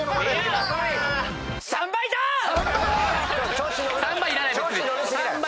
調子乗るな。